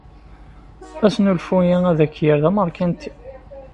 Asnulfu-ya ad k-yerr d ameṛkanti.